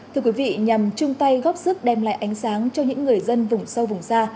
thưa quý vị nhằm chung tay góp sức đem lại ánh sáng cho những người dân vùng sâu vùng xa